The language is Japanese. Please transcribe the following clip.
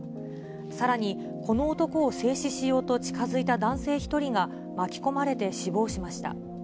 さらに、この男を制止しようと近づいた男性１人が巻き込まれて死亡しました。